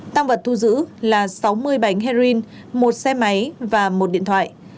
tăng vật thu giữ là sáu mươi bánh heroin một xe máy và một điện thoại